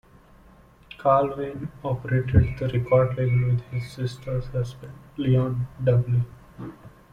Carl Wayne operated the record label with his sister's husband, Leon Dudley.